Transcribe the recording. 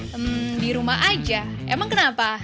hmm di rumah aja emang kenapa